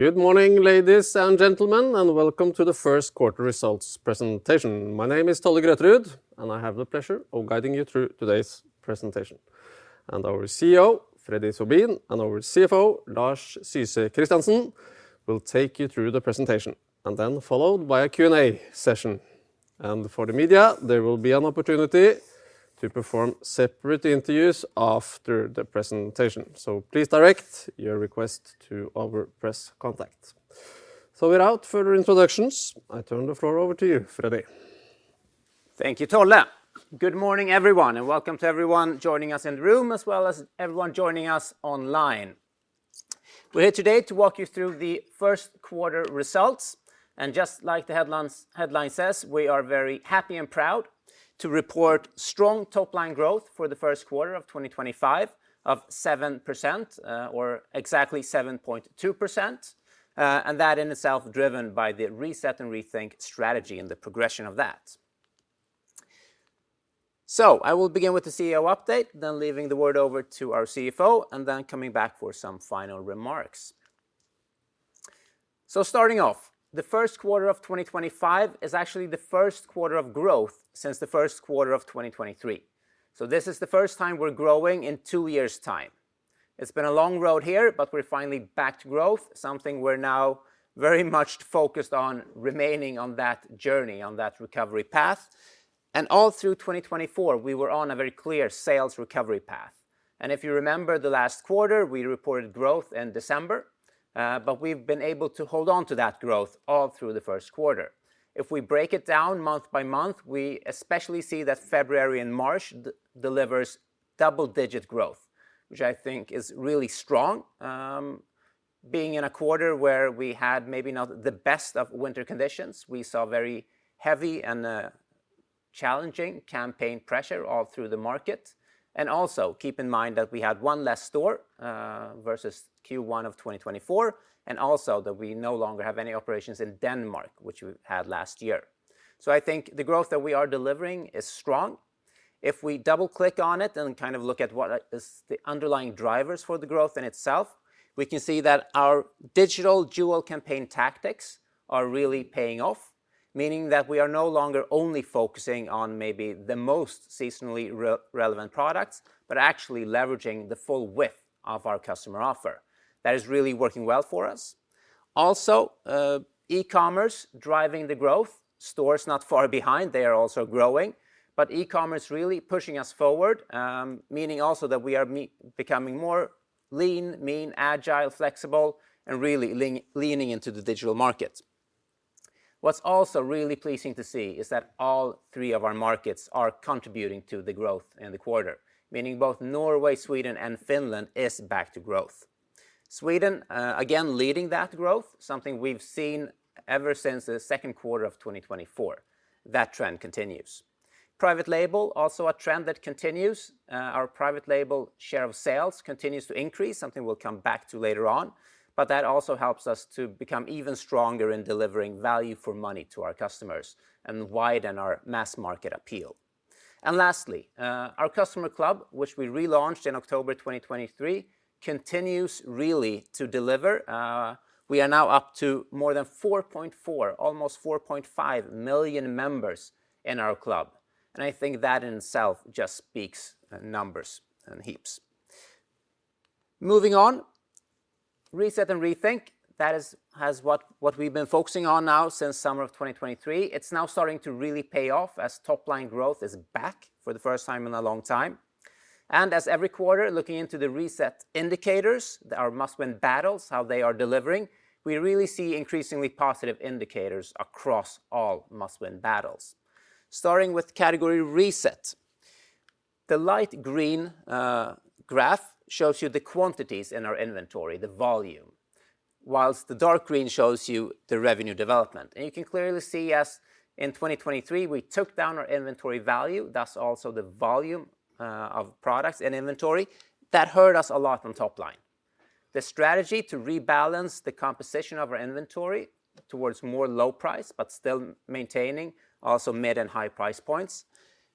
Good morning, ladies and gentlemen, and welcome to the first quarter results presentation. My name is Tolle Grøterud, and I have the pleasure of guiding you through today's presentation. Our CEO, Freddy Sobin, and our CFO, Lars Syse Christiansen, will take you through the presentation, and then followed by a Q&A session. For the media, there will be an opportunity to perform separate interviews after the presentation, so please direct your request to our press contact. Without further introductions, I turn the floor over to you, Freddy. Thank you, Tolle. Good morning, everyone, and welcome to everyone joining us in the room, as well as everyone joining us online. We're here today to walk you through the first quarter results. Just like the headline says, we are very happy and proud to report strong top-line growth for the first quarter of 2025 of 7%, or exactly 7.2%, and that in itself driven by the Reset and Rethink strategy and the progression of that. I will begin with the CEO update, then leaving the word over to our CFO, and then coming back for some final remarks. Starting off, the first quarter of 2025 is actually the first quarter of growth since the first quarter of 2023. This is the first time we're growing in two years' time. It's been a long road here, but we're finally back to growth, something we're now very much focused on remaining on that journey, on that recovery path. All through 2024, we were on a very clear sales recovery path. If you remember the last quarter, we reported growth in December, but we've been able to hold on to that growth all through the first quarter. If we break it down month by month, we especially see that February and March deliver double-digit growth, which I think is really strong, being in a quarter where we had maybe not the best of winter conditions. We saw very heavy and challenging campaign pressure all through the market. Also, keep in mind that we had one less store versus Q1 of 2024, and also that we no longer have any operations in Denmark, which we had last year. I think the growth that we are delivering is strong. If we double-click on it and kind of look at what are the underlying drivers for the growth in itself, we can see that our digital dual campaign tactics are really paying off, meaning that we are no longer only focusing on maybe the most seasonally relevant products, but actually leveraging the full width of our customer offer. That is really working well for us. Also, e-commerce driving the growth. Stores not far behind. They are also growing, but e-commerce really pushing us forward, meaning also that we are becoming more lean, mean, agile, flexible, and really leaning into the digital market. What is also really pleasing to see is that all three of our markets are contributing to the growth in the quarter, meaning both Norway, Sweden, and Finland are back to growth. Sweden, again, leading that growth, something we've seen ever since the second quarter of 2024. That trend continues. Private label, also a trend that continues. Our private label share of sales continues to increase, something we'll come back to later on, but that also helps us to become even stronger in delivering value for money to our customers and widen our mass market appeal. Lastly, our customer club, which we relaunched in October 2023, continues really to deliver. We are now up to more than 4.4, almost 4.5 million members in our club, and I think that in itself just speaks numbers and heaps. Moving on, Reset and Rethink, that is what we've been focusing on now since summer of 2023. It's now starting to really pay off as top-line growth is back for the first time in a long time. As every quarter, looking into the Reset indicators, our must-win battles, how they are delivering, we really see increasingly positive indicators across all must-win battles, starting with category Reset. The light green graph shows you the quantities in our inventory, the volume, whilst the dark green shows you the revenue development. You can clearly see as in 2023, we took down our inventory value, thus also the volume of products in inventory. That hurt us a lot on top line. The strategy to rebalance the composition of our inventory towards more low price, but still maintaining also mid and high price points.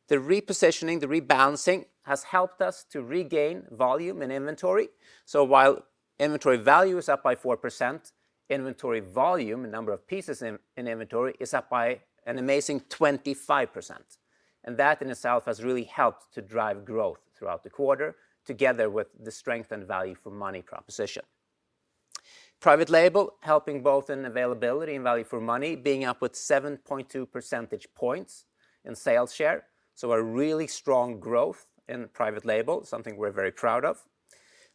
The repositioning, the rebalancing has helped us to regain volume in inventory. While inventory value is up by 4%, inventory volume, the number of pieces in inventory, is up by an amazing 25%. That in itself has really helped to drive growth throughout the quarter, together with the strength and value for money proposition. Private label, helping both in availability and value for money, being up with 7.2 percentage points in sales share. A really strong growth in private label, something we're very proud of.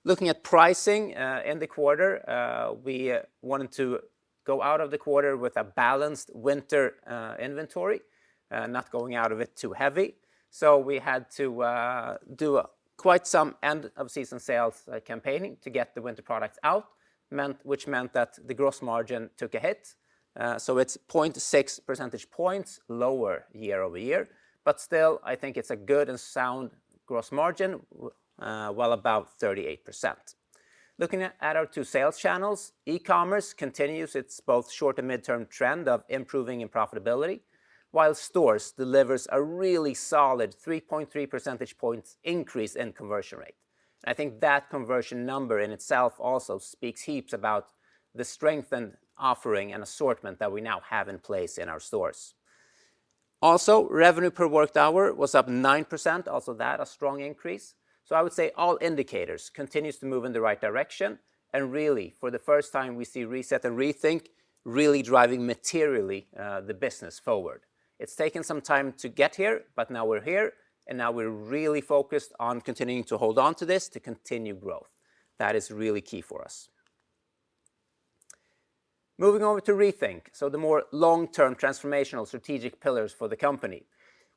Looking at pricing in the quarter, we wanted to go out of the quarter with a balanced winter inventory, not going out of it too heavy. We had to do quite some end-of-season sales campaigning to get the winter products out, which meant that the gross margin took a hit. It's 0.6 percentage points lower year over year, but still, I think it's a good and sound gross margin. About 38%. Looking at our two sales channels, e-commerce continues its both short and midterm trend of improving in profitability, while stores deliver a really solid 3.3 percentage points increase in conversion rate. I think that conversion number in itself also speaks heaps about the strength and offering and assortment that we now have in place in our stores. Also, revenue per worked hour was up 9%, also that a strong increase. I would say all indicators continue to move in the right direction, and really, for the first time, we see Reset and Rethink really driving materially the business forward. It's taken some time to get here, but now we're here, and now we're really focused on continuing to hold on to this to continue growth. That is really key for us. Moving over to Rethink, the more long-term transformational strategic pillars for the company.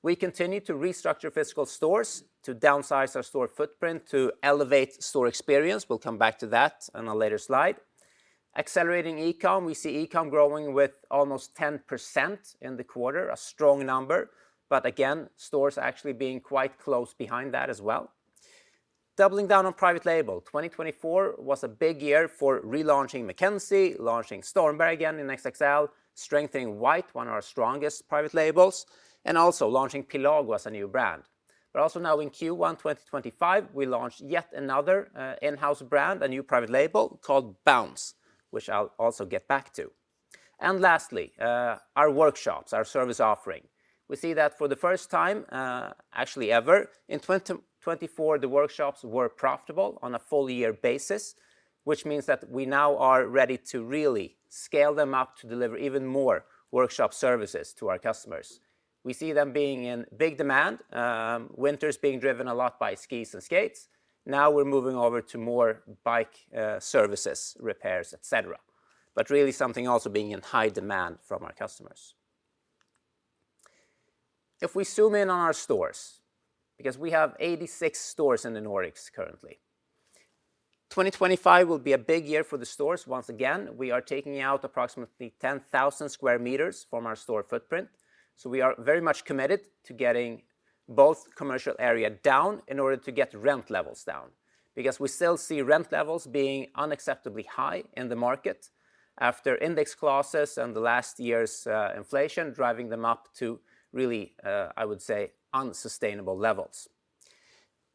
We continue to restructure physical stores to downsize our store footprint to elevate store experience. We'll come back to that on a later slide. Accelerating e-com, we see e-com growing with almost 10% in the quarter, a strong number, but again, stores actually being quite close behind that as well. Doubling down on private label, 2024 was a big year for relaunching Stormberg, launching Stormberg again in XXL, strengthening White, one of our strongest private labels, and also launching Pillago as a new brand. We're also now in Q1 2025. We launched yet another in-house brand, a new private label called Bounce, which I'll also get back to. Lastly, our workshops, our service offering. We see that for the first time, actually ever, in 2024, the workshops were profitable on a full-year basis, which means that we now are ready to really scale them up to deliver even more workshop services to our customers. We see them being in big demand. Winter is being driven a lot by skis and skates. Now we're moving over to more bike services, repairs, et cetera, but really something also being in high demand from our customers. If we zoom in on our stores, because we have 86 stores in the Nordics currently, 2025 will be a big year for the stores. Once again, we are taking out approximately 10,000 sq m from our store footprint. We are very much committed to getting both commercial area down in order to get rent levels down, because we still see rent levels being unacceptably high in the market after index clauses and the last year's inflation driving them up to really, I would say, unsustainable levels.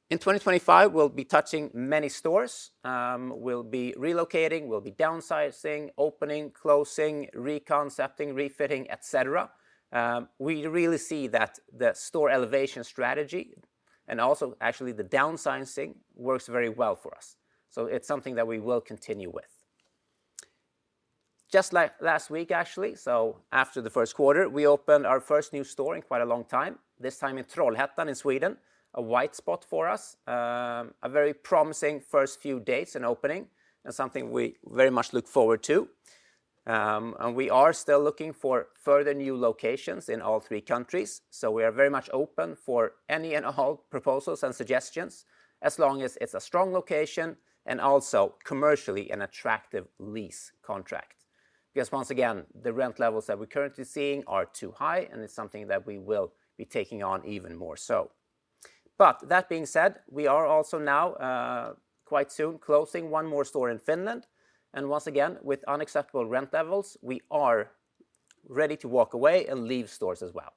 In 2025, we'll be touching many stores. We'll be relocating, we'll be downsizing, opening, closing, reconcepting, refitting, et cetera. We really see that the store elevation strategy and also actually the downsizing works very well for us. It's something that we will continue with. Just like last week, actually, after the first quarter, we opened our first new store in quite a long time, this time in Trollhättan in Sweden, a white spot for us, a very promising first few days and opening, and something we very much look forward to. We are still looking for further new locations in all three countries, so we are very much open for any and all proposals and suggestions as long as it is a strong location and also commercially an attractive lease contract. Because once again, the rent levels that we are currently seeing are too high, and it is something that we will be taking on even more so. That being said, we are also now quite soon closing one more store in Finland. Once again, with unacceptable rent levels, we are ready to walk away and leave stores as well.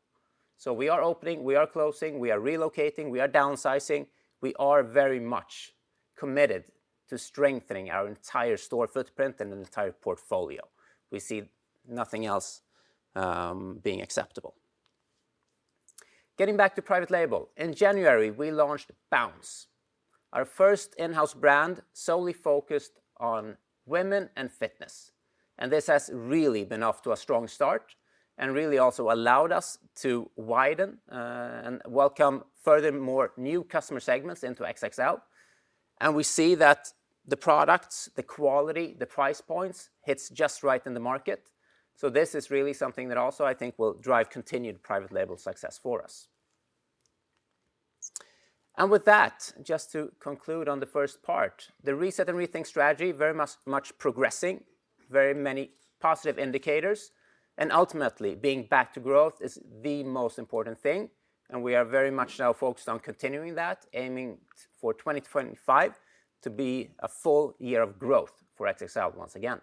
We are opening, we are closing, we are relocating, we are downsizing. We are very much committed to strengthening our entire store footprint and an entire portfolio. We see nothing else being acceptable. Getting back to private label, in January, we launched Bounce, our first in-house brand solely focused on women and fitness. This has really been off to a strong start and really also allowed us to widen and welcome furthermore new customer segments into XXL. We see that the products, the quality, the price points hit just right in the market. This is really something that also I think will drive continued private label success for us. With that, just to conclude on the first part, the Reset and Rethink strategy, very much progressing, very many positive indicators, and ultimately being back to growth is the most important thing. We are very much now focused on continuing that, aiming for 2025 to be a full year of growth for XXL once again.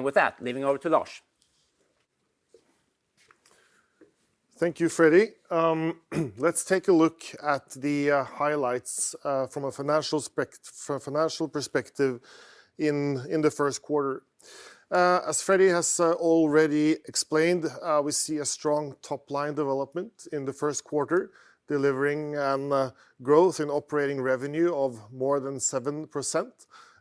With that, leaving over to Lars. Thank you, Freddy. Let's take a look at the highlights from a financial perspective in the first quarter. As Freddy has already explained, we see a strong top-line development in the first quarter, delivering growth in operating revenue of more than 7%,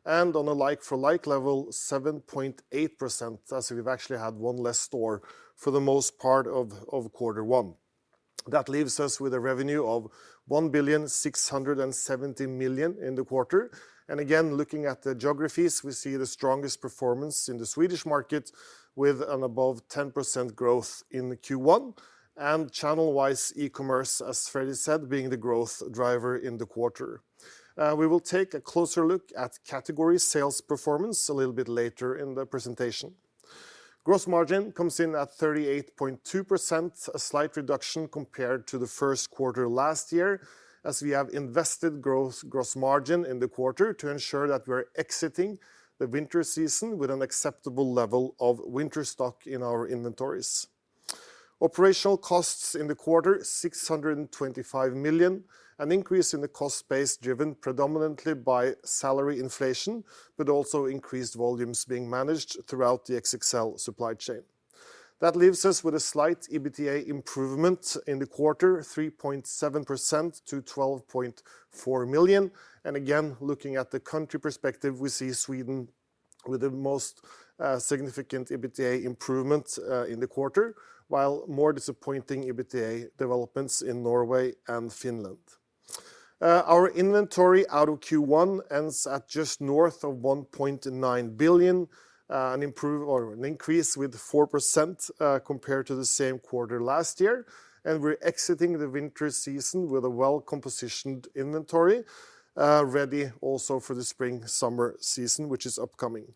and on a like-for-like level, 7.8%, as we've actually had one less store for the most part of quarter one. That leaves us with a revenue of 1,670,000,000 in the quarter. Again, looking at the geographies, we see the strongest performance in the Swedish market with an above 10% growth in Q1, and channel-wise e-commerce, as Freddy said, being the growth driver in the quarter. We will take a closer look at category sales performance a little bit later in the presentation. Gross margin comes in at 38.2%, a slight reduction compared to the first quarter last year, as we have invested gross margin in the quarter to ensure that we're exiting the winter season with an acceptable level of winter stock in our inventories. Operational costs in the quarter, 625 million, an increase in the cost base driven predominantly by salary inflation, but also increased volumes being managed throughout the XXL supply chain. That leaves us with a slight EBITDA improvement in the quarter, 3.7% to 12.4 million. Again, looking at the country perspective, we see Sweden with the most significant EBITDA improvement in the quarter, while more disappointing EBITDA developments in Norway and Finland. Our inventory out of Q1 ends at just north of 1.9 billion, an increase with 4% compared to the same quarter last year. We're exiting the winter season with a well-compositioned inventory, ready also for the spring-summer season, which is upcoming.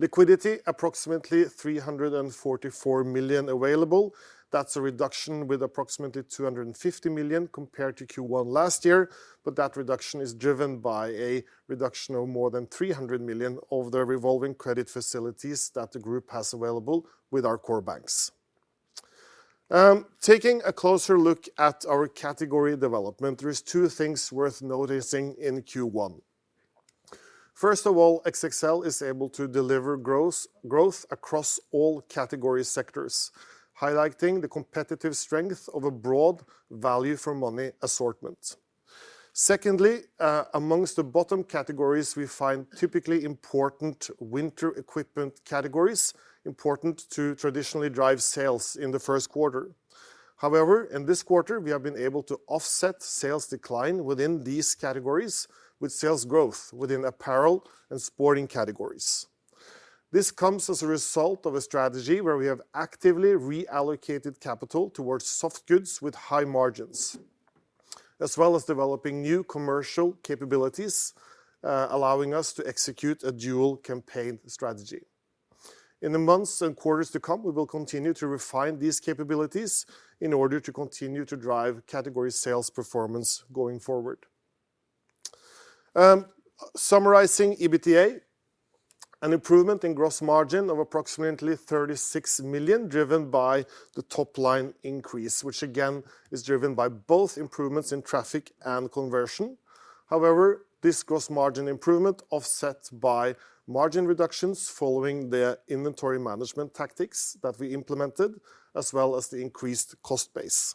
Liquidity, approximately 344 million available. That's a reduction with approximately 250 million compared to Q1 last year, but that reduction is driven by a reduction of more than 300 million of the revolving credit facilities that the group has available with our core banks. Taking a closer look at our category development, there are two things worth noticing in Q1. First of all, XXL is able to deliver growth across all category sectors, highlighting the competitive strength of a broad value for money assortment. Secondly, amongst the bottom categories, we find typically important winter equipment categories important to traditionally drive sales in the first quarter. However, in this quarter, we have been able to offset sales decline within these categories with sales growth within apparel and sporting categories. This comes as a result of a strategy where we have actively reallocated capital towards soft goods with high margins, as well as developing new commercial capabilities, allowing us to execute a dual campaign strategy. In the months and quarters to come, we will continue to refine these capabilities in order to continue to drive category sales performance going forward. Summarizing EBITDA, an improvement in gross margin of approximately 36 million driven by the top line increase, which again is driven by both improvements in traffic and conversion. However, this gross margin improvement offset by margin reductions following the inventory management tactics that we implemented, as well as the increased cost base.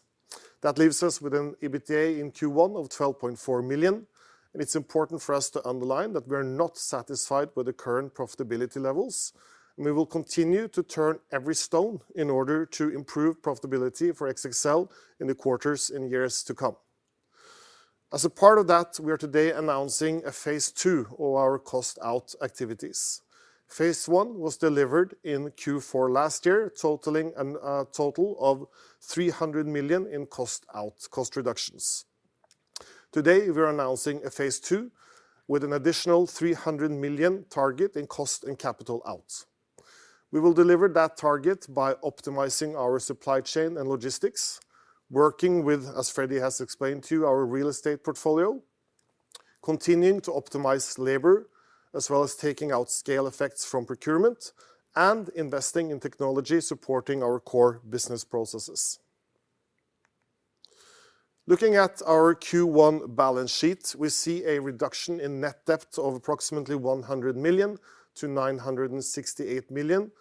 That leaves us with an EBITDA in Q1 of 12.4 million. It's important for us to underline that we are not satisfied with the current profitability levels. We will continue to turn every stone in order to improve profitability for XXL in the quarters and years to come. As a part of that, we are today announcing a phase two of our cost-out activities. Phase one was delivered in Q4 last year, totaling a total of 300 million in cost-out cost reductions. Today, we are announcing a phase two with an additional 300 million target in cost and capital out. We will deliver that target by optimizing our supply chain and logistics, working with, as Freddy has explained to you, our real estate portfolio, continuing to optimize labor, as well as taking out scale effects from procurement and investing in technology supporting our core business processes. Looking at our Q1 balance sheet, we see a reduction in net debt of approximately 100 million-968 million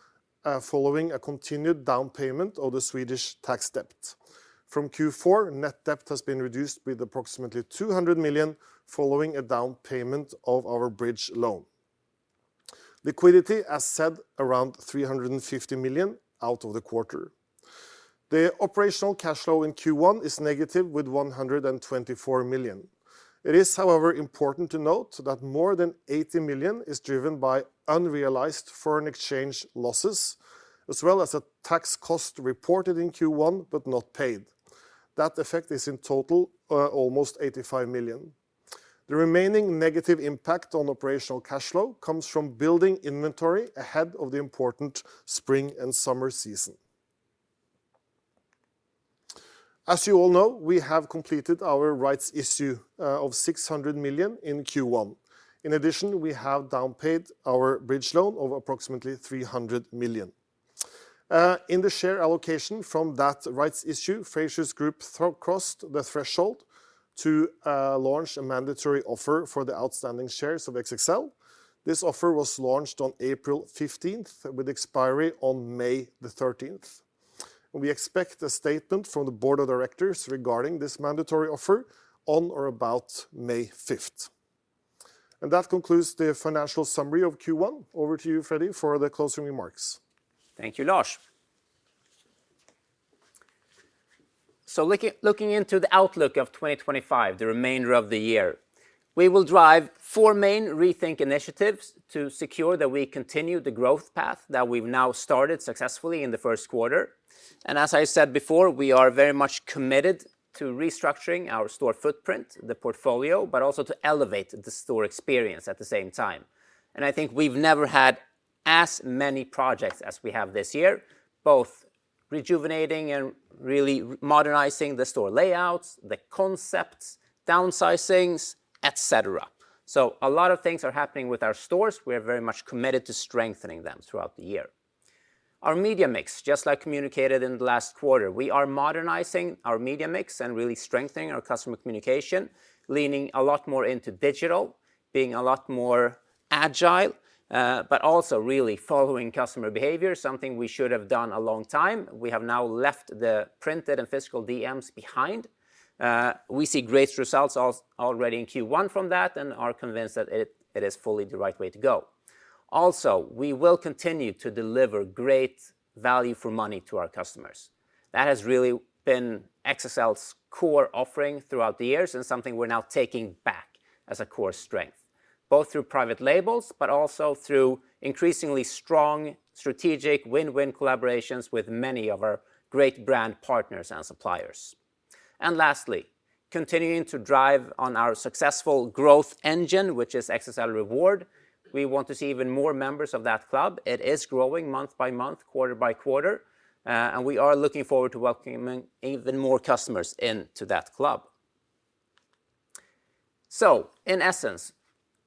following a continued down payment of the Swedish tax debt. From Q4, net debt has been reduced with approximately 200 million following a down payment of our bridge loan. Liquidity, as said, around 350 million out of the quarter. The operational cash flow in Q1 is negative with 124 million. It is, however, important to note that more than 80 million is driven by unrealized foreign exchange losses, as well as a tax cost reported in Q1 but not paid. That effect is in total almost 85 million. The remaining negative impact on operational cash flow comes from building inventory ahead of the important spring and summer season. As you all know, we have completed our rights issue of 600 million in Q1. In addition, we have downpaid our bridge loan of approximately 300 million. In the share allocation from that rights issue, Frasers Group crossed the threshold to launch a mandatory offer for the outstanding shares of XXL. This offer was launched on April 15th with expiry on May the 13th. We expect a statement from the board of directors regarding this mandatory offer on or about May 5th. That concludes the financial summary of Q1. Over to you, Freddy, for the closing remarks. Thank you, Lars. Looking into the outlook of 2025, the remainder of the year, we will drive four main Rethink initiatives to secure that we continue the growth path that we've now started successfully in the first quarter. As I said before, we are very much committed to restructuring our store footprint, the portfolio, but also to elevate the store experience at the same time. I think we've never had as many projects as we have this year, both rejuvenating and really modernizing the store layouts, the concepts, downsizings, et cetera. A lot of things are happening with our stores. We are very much committed to strengthening them throughout the year. Our media mix, just like communicated in the last quarter, we are modernizing our media mix and really strengthening our customer communication, leaning a lot more into digital, being a lot more agile, but also really following customer behavior, something we should have done a long time. We have now left the printed and physical DMs behind. We see great results already in Q1 from that and are convinced that it is fully the right way to go. Also, we will continue to deliver great value for money to our customers. That has really been XXL's core offering throughout the years and something we're now taking back as a core strength, both through private labels, but also through increasingly strong strategic win-win collaborations with many of our great brand partners and suppliers. Lastly, continuing to drive on our successful growth engine, which is XXL Reward. We want to see even more members of that club. It is growing month by month, quarter by quarter, and we are looking forward to welcoming even more customers into that club. In essence,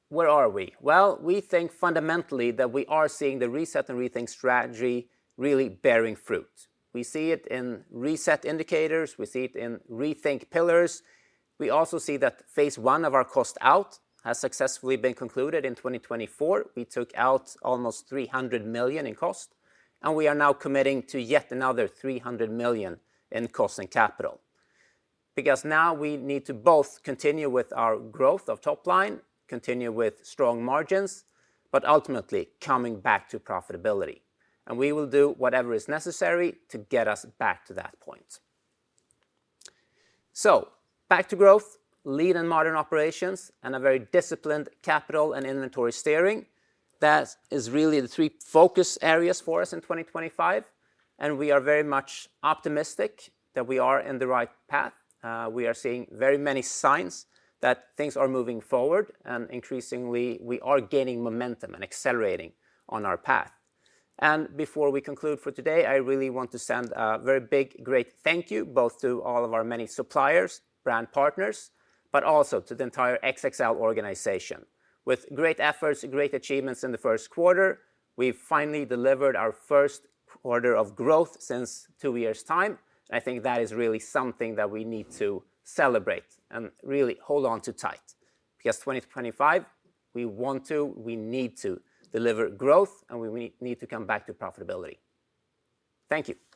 where are we? I mean, we think fundamentally that we are seeing the Reset and Rethink strategy really bearing fruit. We see it in Reset indicators. We see it in Rethink pillars. We also see that phase one of our cost-out has successfully been concluded in 2024. We took out almost 300 million in cost, and we are now committing to yet another 300 million in cost and capital. Because now we need to both continue with our growth of top line, continue with strong margins, but ultimately coming back to profitability. We will do whatever is necessary to get us back to that point. Back to growth, lead and modern operations, and a very disciplined capital and inventory steering. That is really the three focus areas for us in 2025. We are very much optimistic that we are in the right path. We are seeing very many signs that things are moving forward, and increasingly we are gaining momentum and accelerating on our path. Before we conclude for today, I really want to send a very big, great thank you both to all of our many suppliers, brand partners, but also to the entire XXL organization. With great efforts, great achievements in the first quarter, we've finally delivered our first quarter of growth since two years' time. I think that is really something that we need to celebrate and really hold on to tight. Because 2025, we want to, we need to deliver growth, and we need to come back to profitability. Thank you.